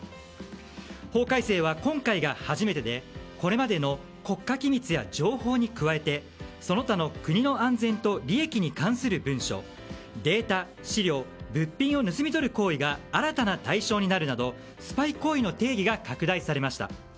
法改正は今回が初めてでこれまでの国家機密や情報に加えてその他の国の安全と利益に関する文書データ、資料、物品を盗み取る行為が新たな対象になるなどスパイ行為の定義が拡大されました。